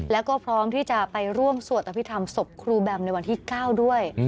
แล้วก็พร้อมที่จะไปร่วมสวดอภิษฐรรมศพครูแบมในวันที่๙ด้วย